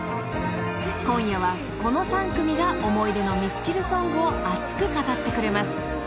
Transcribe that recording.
［今夜はこの３組が思い出のミスチルソングを熱く語ってくれます。